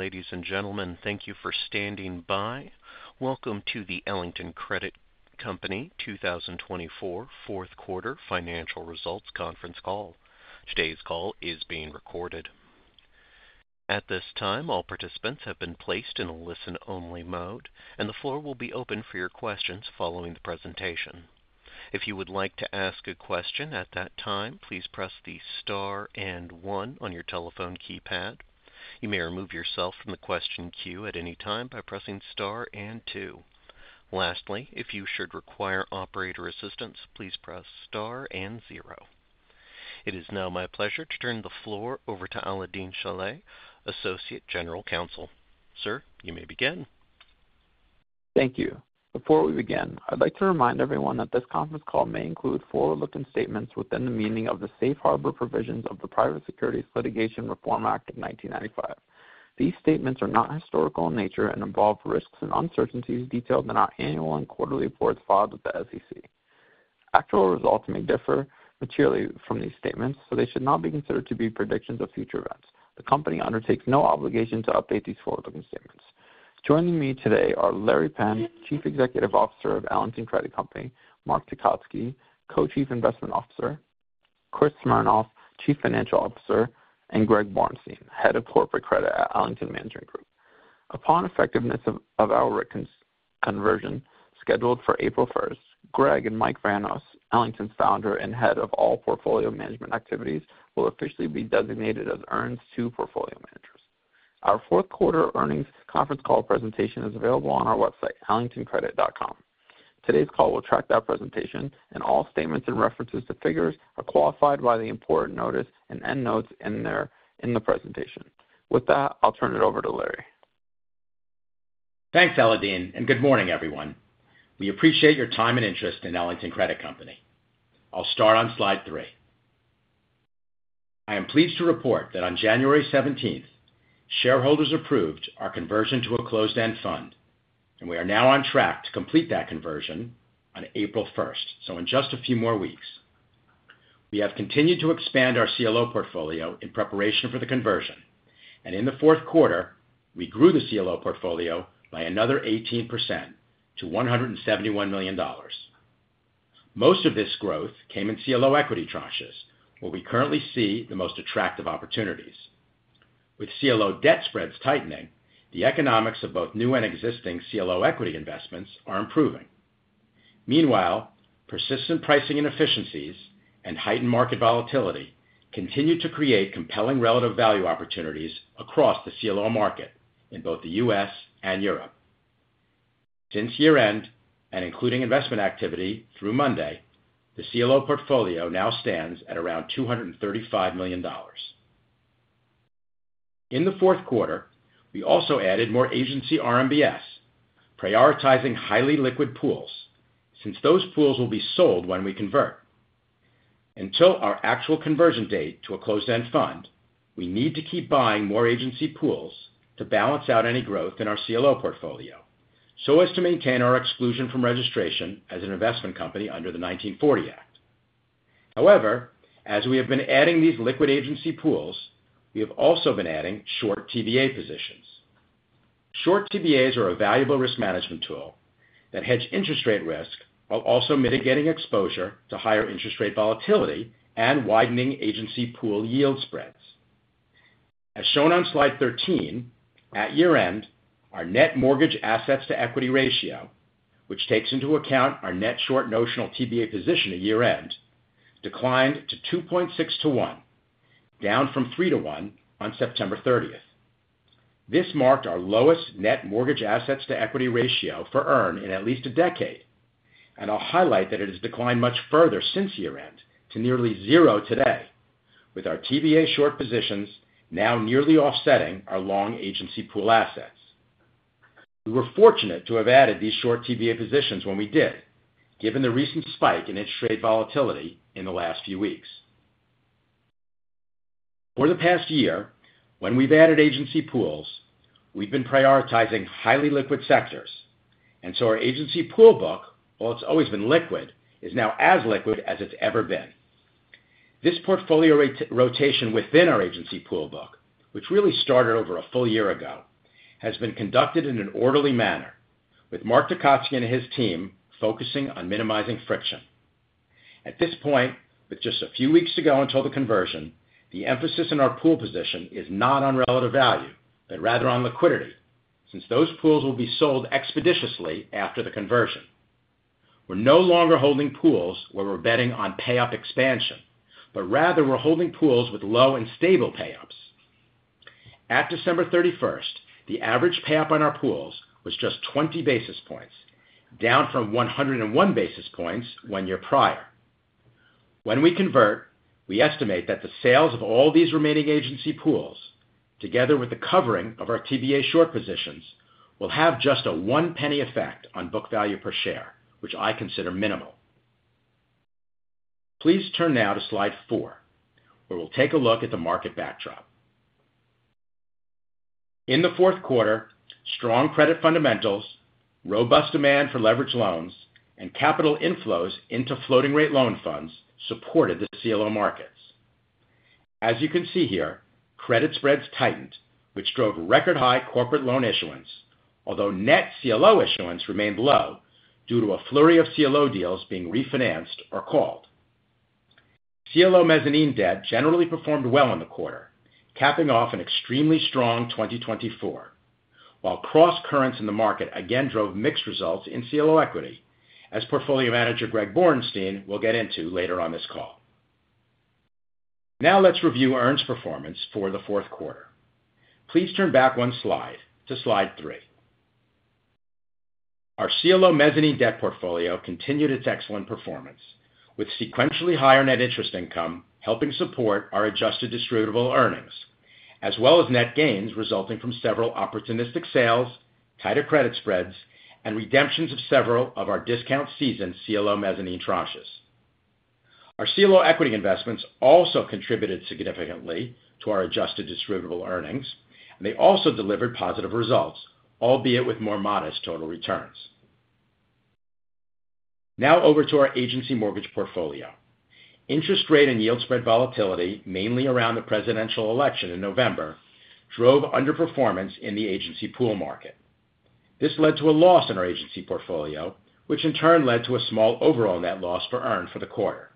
Ladies and gentlemen, thank you for standing by. Welcome to the Ellington Credit Company 2024 Fourth Quarter Financial Results Conference Call. Today's call is being recorded. At this time, all participants have been placed in a listen-only mode, and the floor will be open for your questions following the presentation. If you would like to ask a question at that time, please press the star and one on your telephone keypad. You may remove yourself from the question queue at any time by pressing star and two. Lastly, if you should require operator assistance, please press star and zero. It is now my pleasure to turn the floor over to Alaael-Deen Shilleh, Associate General Counsel. Sir, you may begin. Thank you. Before we begin, I'd like to remind everyone that this conference call may include forward-looking statements within the meaning of the safe harbor provisions of the Private Securities Litigation Reform Act of 1995. These statements are not historical in nature and involve risks and uncertainties detailed in our annual and quarterly reports filed with the SEC. Actual results may differ materially from these statements, so they should not be considered to be predictions of future events. The company undertakes no obligation to update these forward-looking statements. Joining me today are Larry Penn, Chief Executive Officer of Ellington Credit Company, Mark Tecotzky, Co-Chief Investment Officer, Chris Smernoff, Chief Financial Officer, and Greg Borenstein, Head of Corporate Credit at Ellington Management Group. Upon effectiveness of our reconversion scheduled for April 1, Greg and Mike Vranos, Ellington's founder and head of all portfolio management activities, will officially be designated as EARN's two Portfolio Managers. Our Fourth Quarter Earnings Conference Call presentation is available on our website, ellingtoncredit.com. Today's call will track that presentation, and all statements and references to figures are qualified by the important notice and end notes in the presentation. With that, I'll turn it over to Larry. Thanks, Alaael-Deen, and good morning, everyone. We appreciate your time and interest in Ellington Credit Company. I'll start on slide three. I am pleased to report that on January 17th, shareholders approved our conversion to a closed-end fund, and we are now on track to complete that conversion on April 1st, so in just a few more weeks. We have continued to expand our CLO portfolio in preparation for the conversion, and in the fourth quarter, we grew the CLO portfolio by another 18% to $171 million. Most of this growth came in CLO equity tranches, where we currently see the most attractive opportunities. With CLO debt spreads tightening, the economics of both new and existing CLO equity investments are improving. Meanwhile, persistent pricing inefficiencies and heightened market volatility continue to create compelling relative value opportunities across the CLO market in both the U.S. and Europe. Since year-end and including investment activity through Monday, the CLO portfolio now stands at around $235 million. In the fourth quarter, we also added more agency RMBS, prioritizing highly liquid pools, since those pools will be sold when we convert. Until our actual conversion date to a closed-end fund, we need to keep buying more agency pools to balance out any growth in our CLO portfolio, so as to maintain our exclusion from registration as an investment company under the 1940 Act. However, as we have been adding these liquid agency pools, we have also been adding short TBA positions. Short TBAs are a valuable risk management tool that hedge interest rate risk while also mitigating exposure to higher interest rate volatility and widening agency pool yield spreads. As shown on slide 13, at year-end, our net mortgage assets to equity ratio, which takes into account our net short notional TBA position at year-end, declined to 2.6 to 1, down from 3 to 1 on September 30th. This marked our lowest net mortgage assets to equity ratio for Ellington Credit Company in at least a decade, and I'll highlight that it has declined much further since year-end to nearly zero today, with our TBA short positions now nearly offsetting our long agency pool assets. We were fortunate to have added these short TBA positions when we did, given the recent spike in interest rate volatility in the last few weeks. For the past year, when we've added agency pools, we've been prioritizing highly liquid sectors, and so our agency pool book, while it's always been liquid, is now as liquid as it's ever been. This portfolio rotation within our agency pool book, which really started over a full year ago, has been conducted in an orderly manner, with Mark Tecotzky and his team focusing on minimizing friction. At this point, with just a few weeks to go until the conversion, the emphasis in our pool position is not on relative value, but rather on liquidity, since those pools will be sold expeditiously after the conversion. We're no longer holding pools where we're betting on pay-up expansion, but rather we're holding pools with low and stable pay-ups. At December 31, the average pay-up on our pools was just 20 basis points, down from 101 basis points one year prior. When we convert, we estimate that the sales of all these remaining agency pools, together with the covering of our TBA short positions, will have just a one penny effect on book value per share, which I consider minimal. Please turn now to slide four, where we'll take a look at the market backdrop. In the fourth quarter, strong credit fundamentals, robust demand for leverage loans, and capital inflows into floating-rate loan funds supported the CLO markets. As you can see here, credit spreads tightened, which drove record-high corporate loan issuance, although net CLO issuance remained low due to a flurry of CLO deals being refinanced or called. CLO mezzanine debt generally performed well in the quarter, capping off an extremely strong 2024, while cross-currents in the market again drove mixed results in CLO equity, as portfolio manager Greg Borenstein will get into later on this call. Now let's review EARN's performance for the fourth quarter. Please turn back one slide to slide three. Our CLO mezzanine debt portfolio continued its excellent performance, with sequentially higher net interest income helping support our adjusted distributable earnings, as well as net gains resulting from several opportunistic sales, tighter credit spreads, and redemptions of several of our discount-season CLO mezzanine tranches. Our CLO equity investments also contributed significantly to our adjusted distributable earnings, and they also delivered positive results, albeit with more modest total returns. Now over to our agency mortgage portfolio. Interest rate and yield spread volatility, mainly around the presidential election in November, drove underperformance in the agency pool market. This led to a loss in our agency portfolio, which in turn led to a small overall net loss for EARN for the quarter.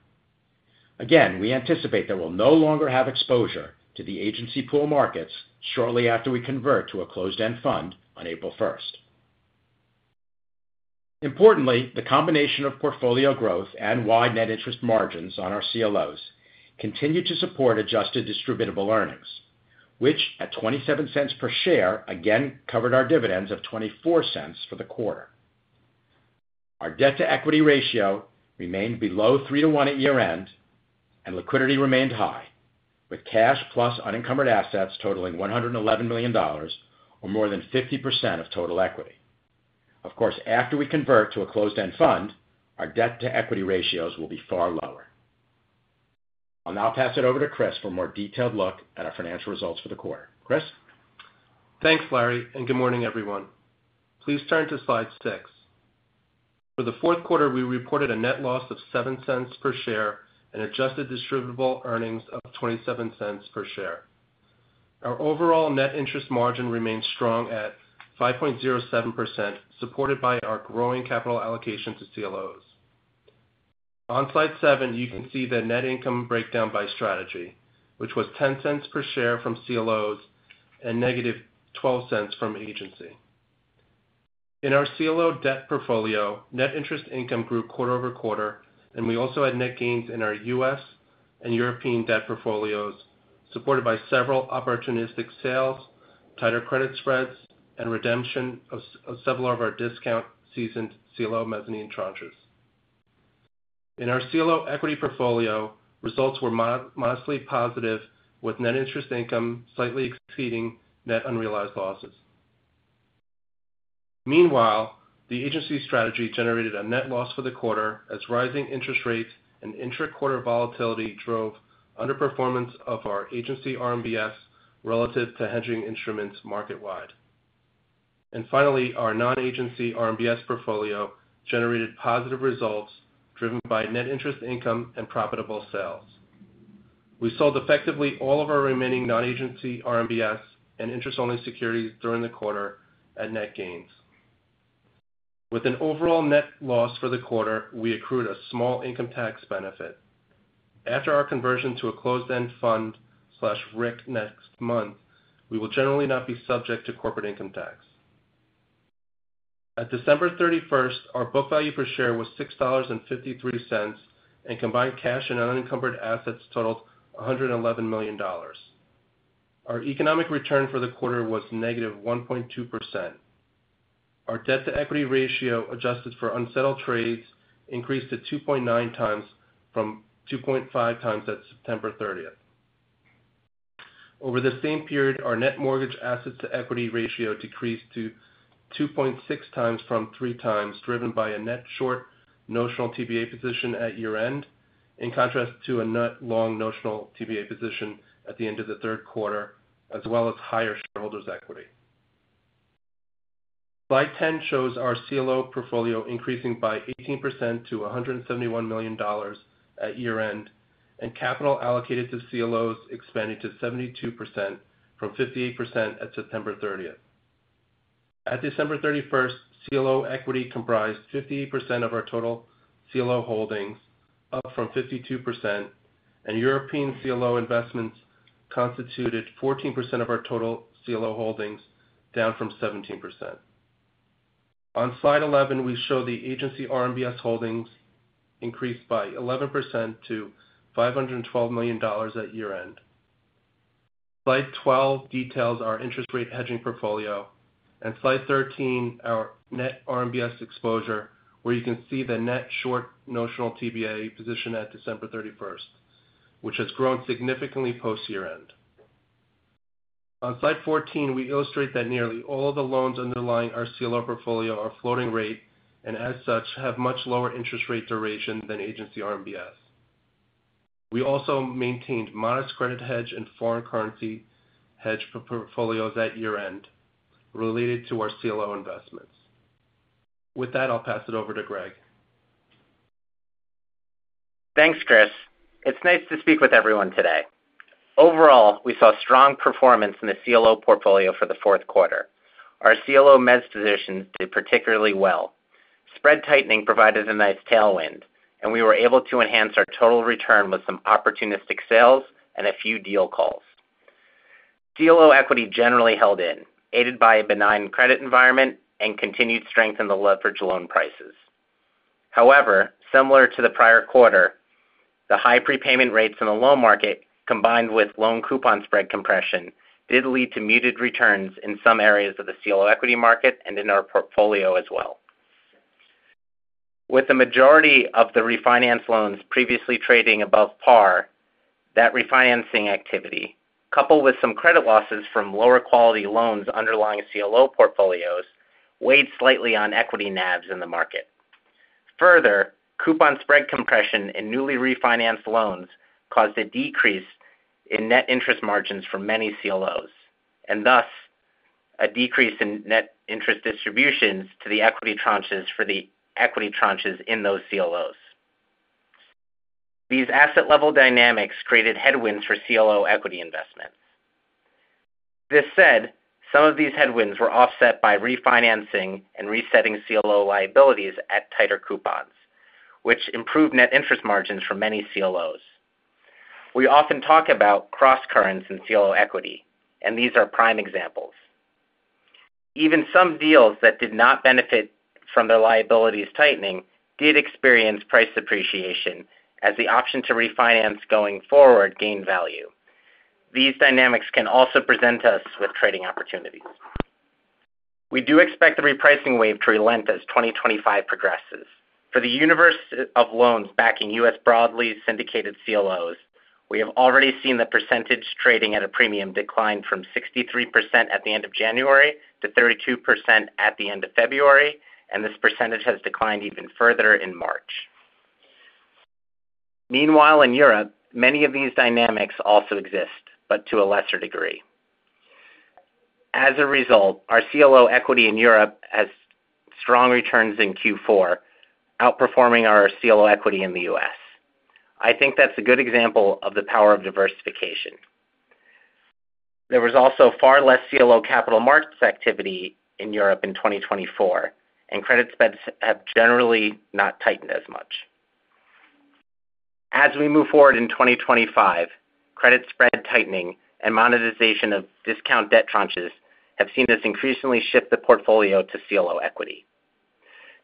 Again, we anticipate that we'll no longer have exposure to the agency pool markets shortly after we convert to a closed-end fund on April 1. Importantly, the combination of portfolio growth and wide net interest margins on our CLOs continued to support adjusted distributable earnings, which at $0.27 per share again covered our dividends of $0.24 for the quarter. Our debt to equity ratio remained below 3 to 1 at year-end, and liquidity remained high, with cash plus unencumbered assets totaling $111 million, or more than 50% of total equity. Of course, after we convert to a closed-end fund, our debt to equity ratios will be far lower. I'll now pass it over to Chris for a more detailed look at our financial results for the quarter. Chris? Thanks, Larry, and good morning, everyone. Please turn to slide six. For the fourth quarter, we reported a net loss of $0.07 per share and adjusted distributable earnings of $0.27 per share. Our overall net interest margin remains strong at 5.07%, supported by our growing capital allocation to CLOs. On slide seven, you can see the net income breakdown by strategy, which was $0.10 per share from CLOs and negative $0.12 from agency. In our CLO debt portfolio, net interest income grew quarter over quarter, and we also had net gains in our U.S. and European debt portfolios, supported by several opportunistic sales, tighter credit spreads, and redemption of several of our discount-season CLO mezzanine tranches. In our CLO equity portfolio, results were modestly positive, with net interest income slightly exceeding net unrealized losses. Meanwhile, the agency strategy generated a net loss for the quarter as rising interest rates and intra-quarter volatility drove underperformance of our agency RMBS relative to hedging instruments market-wide. Finally, our non-agency RMBS portfolio generated positive results driven by net interest income and profitable sales. We sold effectively all of our remaining non-agency RMBS and interest-only securities during the quarter at net gains. With an overall net loss for the quarter, we accrued a small income tax benefit. After our conversion to a closed-end fund/RIC next month, we will generally not be subject to corporate income tax. At December 31st, our book value per share was $6.53, and combined cash and unencumbered assets totaled $111 million. Our economic return for the quarter was -1.2%. Our debt to equity ratio, adjusted for unsettled trades, increased to 2.9 times from 2.5 times at September 30th. Over the same period, our net mortgage assets to equity ratio decreased to 2.6 times from 3 times, driven by a net short notional TBA position at year-end, in contrast to a net long notional TBA position at the end of the third quarter, as well as higher shareholders' equity. Slide 10 shows our CLO portfolio increasing by 18% to $171 million at year-end, and capital allocated to CLOs expanded to 72% from 58% at September 30th. At December 31st, CLO equity comprised 58% of our total CLO holdings, up from 52%, and European CLO investments constituted 14% of our total CLO holdings, down from 17%. On slide 11, we show the agency RMBS holdings increased by 11% to $512 million at year-end. Slide 12 details our interest rate hedging portfolio, and slide 13 our net RMBS exposure, where you can see the net short notional TBA position at December 31, which has grown significantly post-year-end. On slide 14, we illustrate that nearly all of the loans underlying our CLO portfolio are floating rate and, as such, have much lower interest rate duration than agency RMBS. We also maintained modest credit hedge and foreign currency hedge portfolios at year-end related to our CLO investments. With that, I'll pass it over to Greg. Thanks, Chris. It's nice to speak with everyone today. Overall, we saw strong performance in the CLO portfolio for the fourth quarter. Our CLO mezz positions did particularly well. Spread tightening provided a nice tailwind, and we were able to enhance our total return with some opportunistic sales and a few deal calls. CLO equity generally held in, aided by a benign credit environment and continued strength in the leverage loan prices. However, similar to the prior quarter, the high prepayment rates in the loan market, combined with loan coupon spread compression, did lead to muted returns in some areas of the CLO equity market and in our portfolio as well. With the majority of the refinanced loans previously trading above par, that refinancing activity, coupled with some credit losses from lower quality loans underlying CLO portfolios, weighed slightly on equity NAVs in the market. Further, coupon spread compression in newly refinanced loans caused a decrease in net interest margins for many CLOs, and thus a decrease in net interest distributions to the equity tranches for the equity tranches in those CLOs. These asset-level dynamics created headwinds for CLO equity investments. This said, some of these headwinds were offset by refinancing and resetting CLO liabilities at tighter coupons, which improved net interest margins for many CLOs. We often talk about cross-currents in CLO equity, and these are prime examples. Even some deals that did not benefit from their liabilities tightening did experience price depreciation, as the option to refinance going forward gained value. These dynamics can also present us with trading opportunities. We do expect the repricing wave to relent as 2025 progresses. For the universe of loans backing US broadly syndicated CLOs, we have already seen the percentage trading at a premium decline from 63% at the end of January to 32% at the end of February, and this percentage has declined even further in March. Meanwhile, in Europe, many of these dynamics also exist, but to a lesser degree. As a result, our CLO equity in Europe has strong returns in Q4, outperforming our CLO equity in the US. I think that's a good example of the power of diversification. There was also far less CLO capital markets activity in Europe in 2024, and credit spreads have generally not tightened as much. As we move forward in 2025, credit spread tightening and monetization of discount debt tranches have seen us increasingly shift the portfolio to CLO equity.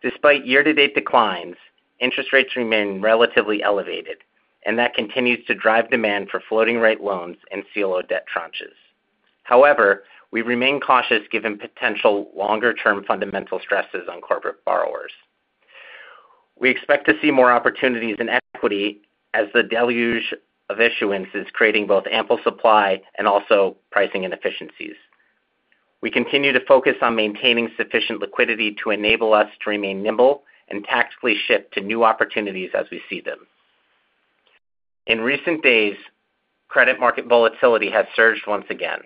Despite year-to-date declines, interest rates remain relatively elevated, and that continues to drive demand for floating-rate loans and CLO debt tranches. However, we remain cautious given potential longer-term fundamental stresses on corporate borrowers. We expect to see more opportunities in equity as the deluge of issuance is creating both ample supply and also pricing inefficiencies. We continue to focus on maintaining sufficient liquidity to enable us to remain nimble and tactically shift to new opportunities as we see them. In recent days, credit market volatility has surged once again.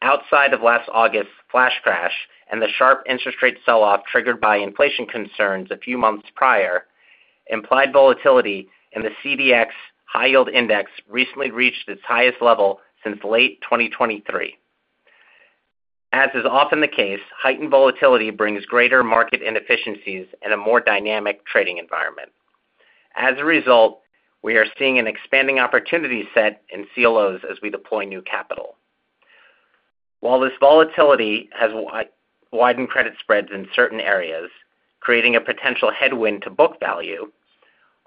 Outside of last August's flash crash and the sharp interest rate selloff triggered by inflation concerns a few months prior, implied volatility in the CDX high-yield index recently reached its highest level since late 2023. As is often the case, heightened volatility brings greater market inefficiencies and a more dynamic trading environment. As a result, we are seeing an expanding opportunity set in CLOs as we deploy new capital. While this volatility has widened credit spreads in certain areas, creating a potential headwind to book value,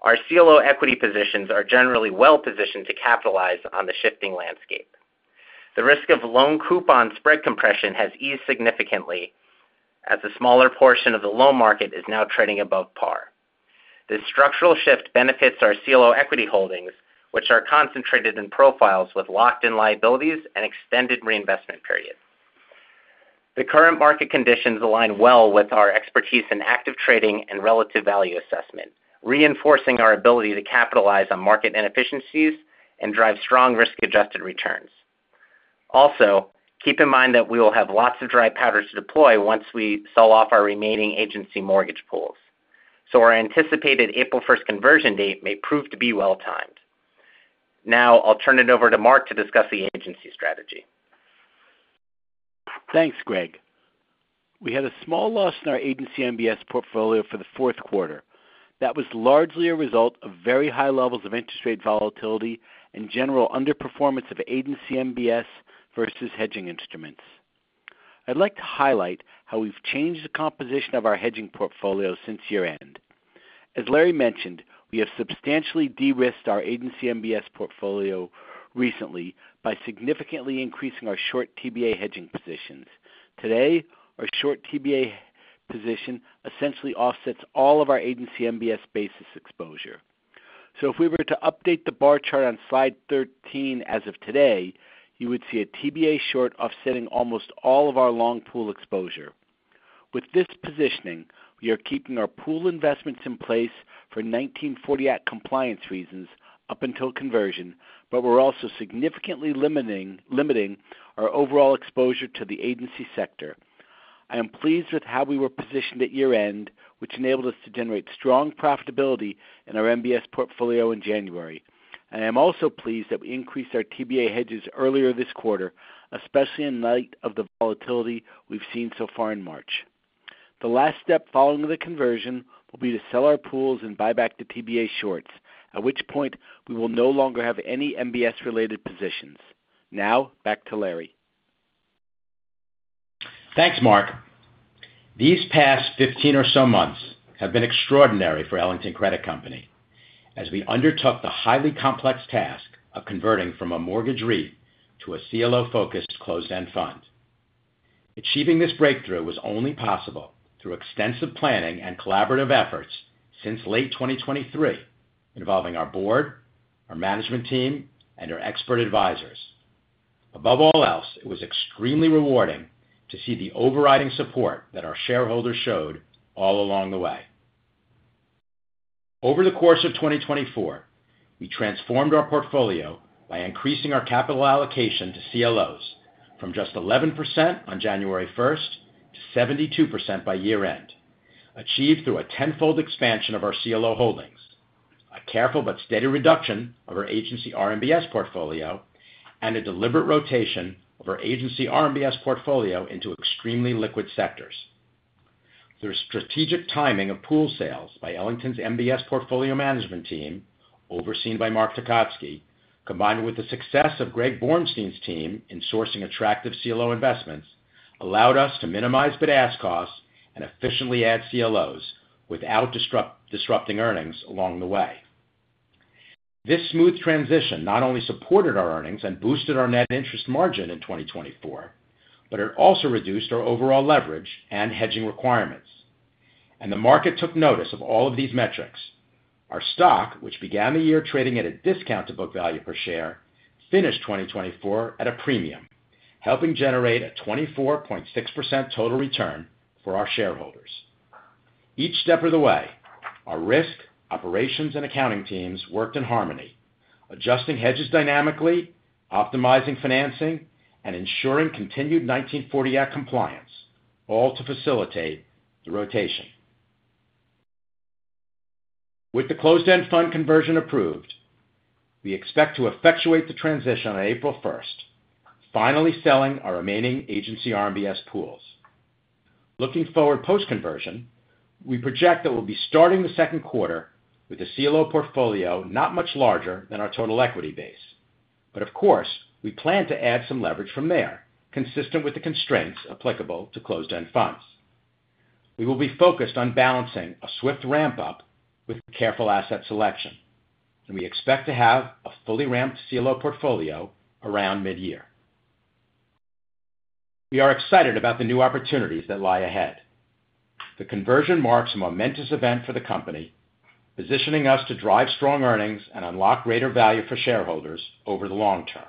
our CLO equity positions are generally well-positioned to capitalize on the shifting landscape. The risk of loan coupon spread compression has eased significantly as a smaller portion of the loan market is now trading above par. This structural shift benefits our CLO equity holdings, which are concentrated in profiles with locked-in liabilities and extended reinvestment periods. The current market conditions align well with our expertise in active trading and relative value assessment, reinforcing our ability to capitalize on market inefficiencies and drive strong risk-adjusted returns. Also, keep in mind that we will have lots of dry powder to deploy once we sell off our remaining agency mortgage pools, so our anticipated April 1 conversion date may prove to be well-timed. Now I'll turn it over to Mark to discuss the agency strategy. Thanks, Greg. We had a small loss in our agency MBS portfolio for the fourth quarter. That was largely a result of very high levels of interest rate volatility and general underperformance of agency MBS versus hedging instruments. I'd like to highlight how we've changed the composition of our hedging portfolio since year-end. As Larry mentioned, we have substantially de-risked our agency MBS portfolio recently by significantly increasing our short TBA hedging positions. Today, our short TBA position essentially offsets all of our agency MBS basis exposure. If we were to update the bar chart on slide 13 as of today, you would see a TBA short offsetting almost all of our long pool exposure. With this positioning, we are keeping our pool investments in place for 1940 Act compliance reasons up until conversion, but we're also significantly limiting our overall exposure to the agency sector. I am pleased with how we were positioned at year-end, which enabled us to generate strong profitability in our MBS portfolio in January. I am also pleased that we increased our TBA hedges earlier this quarter, especially in light of the volatility we have seen so far in March. The last step following the conversion will be to sell our pools and buy back the TBA shorts, at which point we will no longer have any MBS-related positions. Now, back to Larry. Thanks, Mark. These past 15 or so months have been extraordinary for Ellington Credit Company as we undertook the highly complex task of converting from a mortgage REIT to a CLO-focused closed-end fund. Achieving this breakthrough was only possible through extensive planning and collaborative efforts since late 2023, involving our board, our management team, and our expert advisors. Above all else, it was extremely rewarding to see the overriding support that our shareholders showed all along the way. Over the course of 2024, we transformed our portfolio by increasing our capital allocation to CLOs from just 11% on January 1st to 72% by year-end, achieved through a tenfold expansion of our CLO holdings, a careful but steady reduction of our agency RMBS portfolio, and a deliberate rotation of our agency RMBS portfolio into extremely liquid sectors. The strategic timing of pool sales by Ellington's MBS portfolio management team, overseen by Mark Tecotzky, combined with the success of Greg Borenstein's team in sourcing attractive CLO investments, allowed us to minimize bid-ask costs and efficiently add CLOs without disrupting earnings along the way. This smooth transition not only supported our earnings and boosted our net interest margin in 2024, but it also reduced our overall leverage and hedging requirements. The market took notice of all of these metrics. Our stock, which began the year trading at a discount to book value per share, finished 2024 at a premium, helping generate a 24.6% total return for our shareholders. Each step of the way, our risk, operations, and accounting teams worked in harmony, adjusting hedges dynamically, optimizing financing, and ensuring continued 1940 Act compliance, all to facilitate the rotation. With the closed-end fund conversion approved, we expect to effectuate the transition on April 1st, finally selling our remaining agency RMBS pools. Looking forward post-conversion, we project that we'll be starting the second quarter with a CLO portfolio not much larger than our total equity base. Of course, we plan to add some leverage from there, consistent with the constraints applicable to closed-end funds. We will be focused on balancing a swift ramp-up with careful asset selection, and we expect to have a fully ramped CLO portfolio around mid-year. We are excited about the new opportunities that lie ahead. The conversion marks a momentous event for the company, positioning us to drive strong earnings and unlock greater value for shareholders over the long term.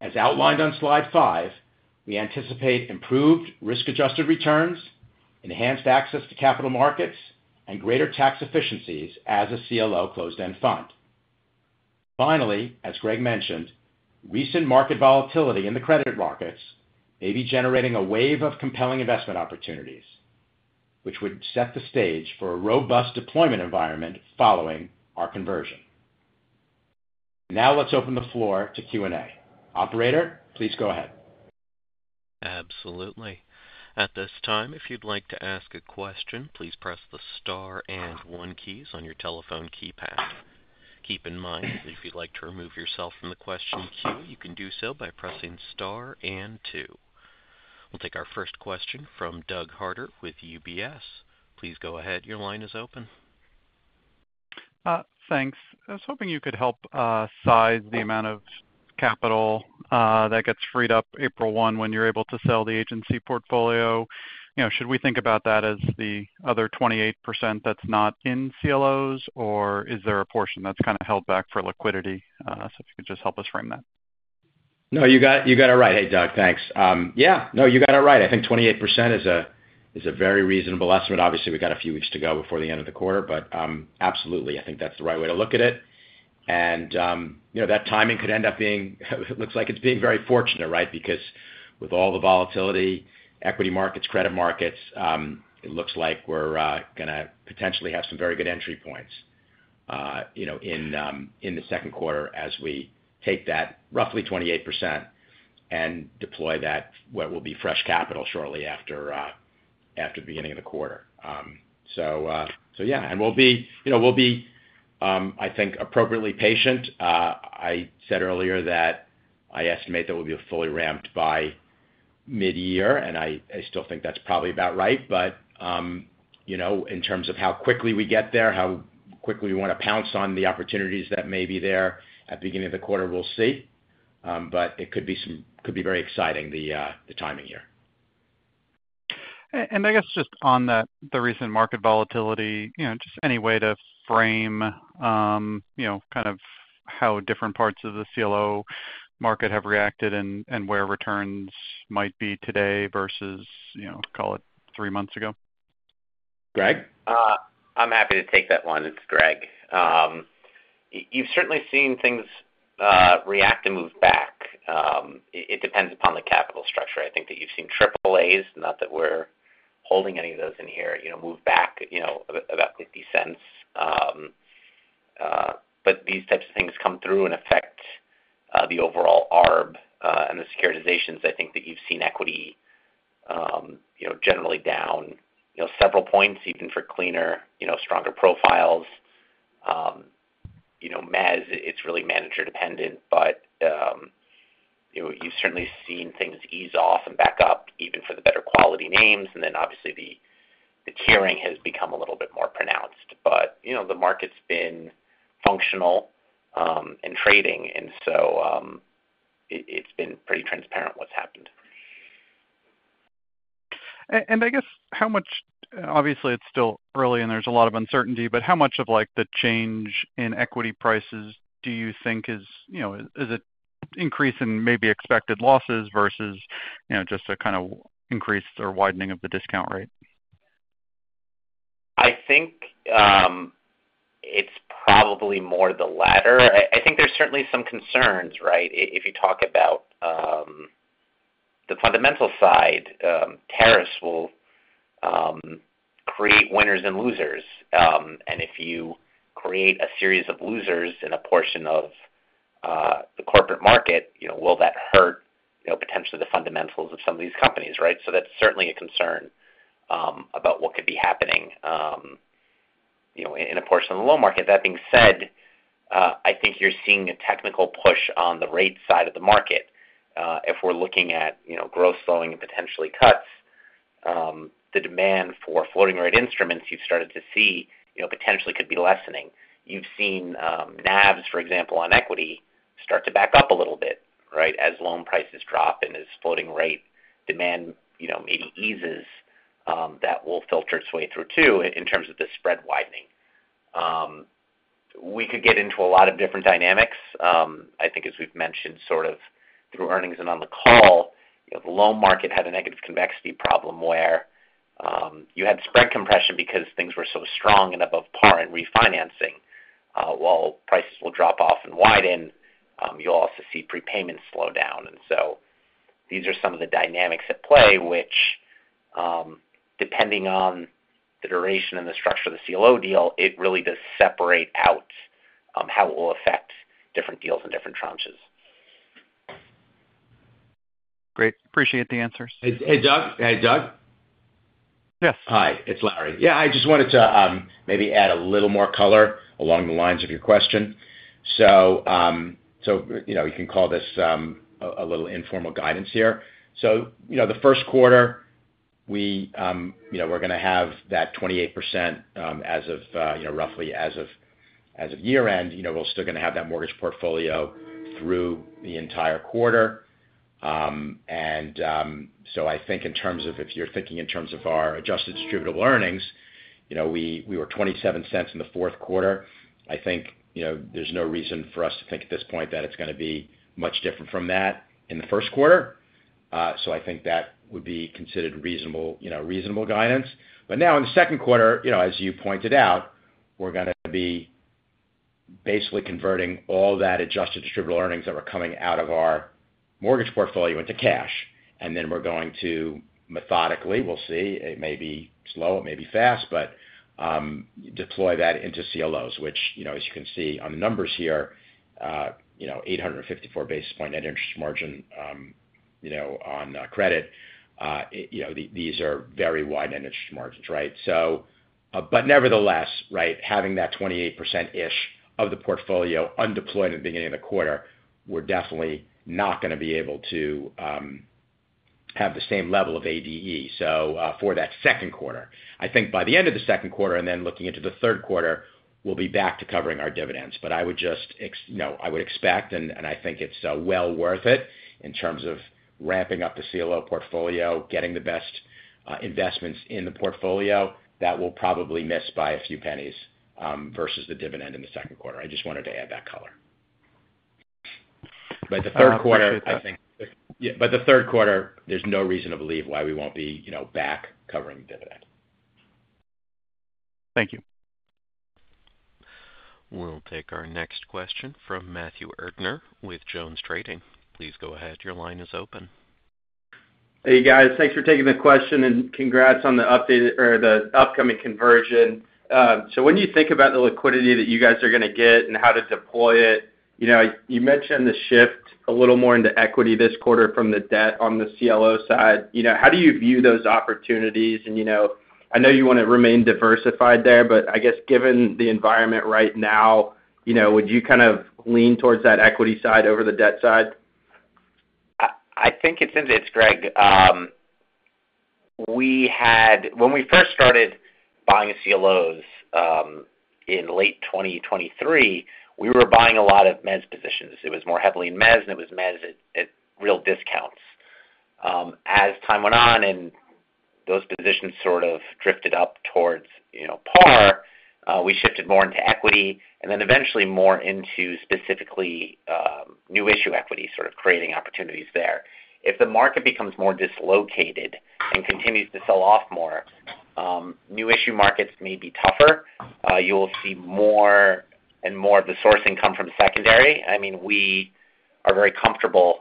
As outlined on slide 5, we anticipate improved risk-adjusted returns, enhanced access to capital markets, and greater tax efficiencies as a CLO closed-end fund. Finally, as Greg mentioned, recent market volatility in the credit markets may be generating a wave of compelling investment opportunities, which would set the stage for a robust deployment environment following our conversion. Now let's open the floor to Q&A. Operator, please go ahead. Absolutely. At this time, if you'd like to ask a question, please press the star and one keys on your telephone keypad. Keep in mind that if you'd like to remove yourself from the question queue, you can do so by pressing star and two. We'll take our first question from Doug Harter with UBS. Please go ahead. Your line is open. Thanks. I was hoping you could help size the amount of capital that gets freed up April 1 when you're able to sell the agency portfolio. Should we think about that as the other 28% that's not in CLOs, or is there a portion that's kind of held back for liquidity? If you could just help us frame that. No, you got it right. Hey, Doug, thanks. Yeah, no, you got it right. I think 28% is a very reasonable estimate. Obviously, we've got a few weeks to go before the end of the quarter, but absolutely, I think that's the right way to look at it. That timing could end up being it looks like it's being very fortunate, right? Because with all the volatility, equity markets, credit markets, it looks like we're going to potentially have some very good entry points in the second quarter as we take that roughly 28% and deploy that, what will be fresh capital shortly after the beginning of the quarter. Yeah, and we'll be, I think, appropriately patient. I said earlier that I estimate that we'll be fully ramped by mid-year, and I still think that's probably about right. In terms of how quickly we get there, how quickly we want to pounce on the opportunities that may be there at the beginning of the quarter, we'll see. It could be very exciting, the timing here. I guess just on the recent market volatility, just any way to frame kind of how different parts of the CLO market have reacted and where returns might be today versus, call it, three months ago? Greg? I'm happy to take that one. It's Greg. You've certainly seen things react and move back. It depends upon the capital structure. I think that you've seen AAAs, not that we're holding any of those in here, move back about 50 cents. These types of things come through and affect the overall arb and the securitizations. I think that you've seen equity generally down several points, even for cleaner, stronger profiles. Mezz, it's really manager-dependent, but you've certainly seen things ease off and back up, even for the better quality names. Obviously, the tiering has become a little bit more pronounced. The market's been functional in trading, and so it's been pretty transparent what's happened. I guess how much obviously, it's still early and there's a lot of uncertainty, but how much of the change in equity prices do you think is it increase in maybe expected losses versus just a kind of increase or widening of the discount rate? I think it's probably more the latter. I think there's certainly some concerns, right? If you talk about the fundamental side, tariffs will create winners and losers. If you create a series of losers in a portion of the corporate market, will that hurt potentially the fundamentals of some of these companies, right? That's certainly a concern about what could be happening in a portion of the loan market. That being said, I think you're seeing a technical push on the rate side of the market. If we're looking at growth slowing and potentially cuts, the demand for floating rate instruments you've started to see potentially could be lessening. You've seen NAVs, for example, on equity start to back up a little bit, right? As loan prices drop and as floating rate demand maybe eases, that will filter its way through too in terms of the spread widening. We could get into a lot of different dynamics. I think as we've mentioned sort of through earnings and on the call, the loan market had a negative convexity problem where you had spread compression because things were so strong and above par in refinancing. While prices will drop off and widen, you'll also see prepayments slow down. These are some of the dynamics at play, which, depending on the duration and the structure of the CLO deal, it really does separate out how it will affect different deals in different tranches. Great. Appreciate the answers. Hey, Doug. Hey, Doug? Yes. Hi. It's Larry. I just wanted to maybe add a little more color along the lines of your question. You can call this a little informal guidance here. The first quarter, we're going to have that 28% as of roughly as of year-end. We're still going to have that mortgage portfolio through the entire quarter. I think in terms of if you're thinking in terms of our adjusted distributable earnings, we were $0.27 in the fourth quarter. I think there's no reason for us to think at this point that it's going to be much different from that in the first quarter. I think that would be considered reasonable guidance. Now in the second quarter, as you pointed out, we're going to be basically converting all that adjusted distributable earnings that were coming out of our mortgage portfolio into cash. We are going to methodically, we'll see, it may be slow, it may be fast, but deploy that into CLOs, which, as you can see on the numbers here, 854 basis point net interest margin on credit. These are very wide net interest margins, right? Nevertheless, having that 28%-ish of the portfolio undeployed at the beginning of the quarter, we're definitely not going to be able to have the same level of ADE for that second quarter. I think by the end of the second quarter and then looking into the third quarter, we'll be back to covering our dividends. I would just expect, and I think it's well worth it in terms of ramping up the CLO portfolio, getting the best investments in the portfolio, that we'll probably miss by a few pennies versus the dividend in the second quarter. I just wanted to add that color. The third quarter, I think. I appreciate that. Yeah. For the third quarter, there's no reason to believe why we won't be back covering dividend. Thank you. We'll take our next question from Matthew Erdner with JonesTrading. Please go ahead. Your line is open. Hey, guys. Thanks for taking the question and congrats on the updated or the upcoming conversion. When you think about the liquidity that you guys are going to get and how to deploy it, you mentioned the shift a little more into equity this quarter from the debt on the CLO side. How do you view those opportunities? I know you want to remain diversified there, but I guess given the environment right now, would you kind of lean towards that equity side over the debt side? I think it's in this, Greg. When we first started buying CLOs in late 2023, we were buying a lot of mezzanine debt positions. It was more heavily in mezzanine debt, and it was mezzanine debt at real discounts. As time went on and those positions sort of drifted up towards par, we shifted more into equity and then eventually more into specifically new issue equity, sort of creating opportunities there. If the market becomes more dislocated and continues to sell off more, new issue markets may be tougher. You'll see more and more of the sourcing come from secondary. I mean, we are very comfortable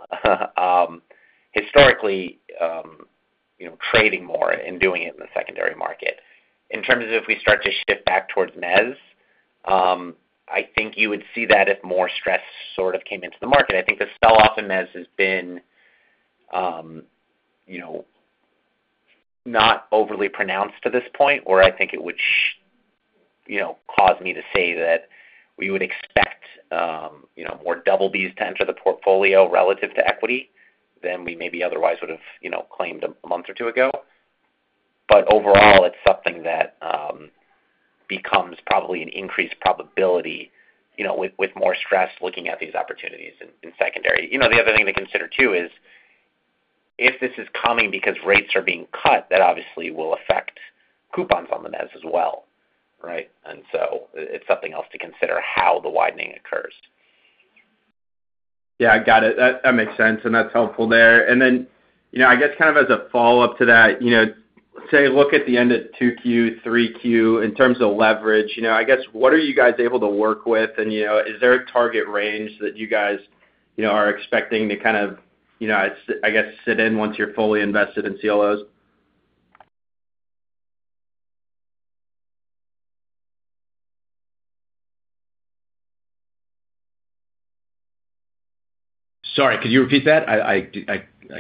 historically trading more and doing it in the secondary market. In terms of if we start to shift back towards mezzanine debt, I think you would see that if more stress sort of came into the market. I think the sell-off in mezzanine debt has been not overly pronounced to this point, or I think it would cause me to say that we would expect more BBs to enter the portfolio relative to equity than we maybe otherwise would have claimed a month or two ago. Overall, it's something that becomes probably an increased probability with more stress looking at these opportunities in secondary. The other thing to consider too is if this is coming because rates are being cut, that obviously will affect coupons on the mezzanine debt as well, right? It's something else to consider how the widening occurs. Yeah, I got it. That makes sense, and that's helpful there. I guess kind of as a follow-up to that, say look at the end of 2Q, 3Q in terms of leverage, I guess what are you guys able to work with? Is there a target range that you guys are expecting to kind of, I guess, sit in once you're fully invested in CLOs? Sorry, could you repeat that? I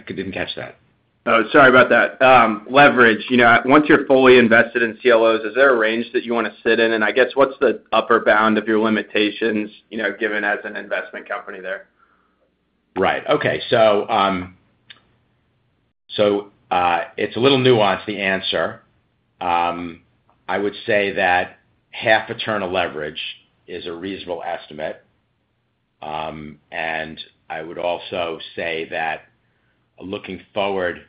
didn't catch that. Oh, sorry about that. Leverage, once you're fully invested in CLOs, is there a range that you want to sit in? I guess what's the upper bound of your limitations given as an investment company there? Right. Okay. It's a little nuanced, the answer. I would say that half a turn of leverage is a reasonable estimate. I would also say that looking forward,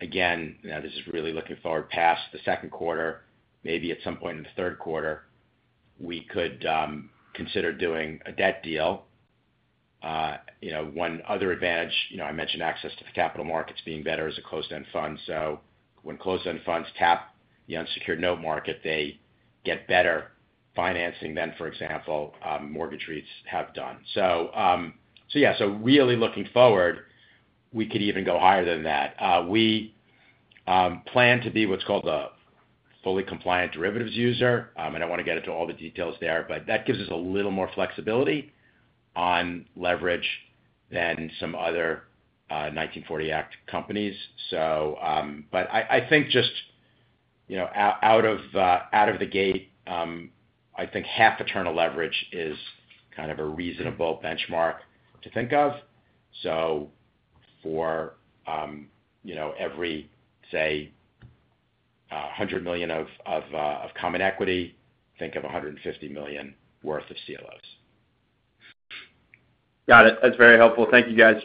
again, now this is really looking forward past the second quarter, maybe at some point in the third quarter, we could consider doing a debt deal. One other advantage, I mentioned access to the capital markets being better as a closed-end fund. When closed-end funds tap the unsecured note market, they get better financing than, for example, mortgage REITs have done. Really looking forward, we could even go higher than that. We plan to be what's called a fully compliant derivatives user. I do not want to get into all the details there, but that gives us a little more flexibility on leverage than some other 1940 Act companies. I think just out of the gate, I think half a turn of leverage is kind of a reasonable benchmark to think of. For every, say, $100 million of common equity, think of $150 million worth of CLOs. Got it. That's very helpful. Thank you, guys.